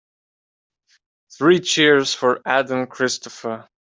Three cheers for Aden Christopher.